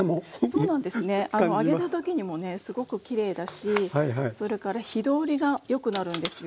揚げる時にもねすごくきれいだしそれから火通りがよくなるんですよ。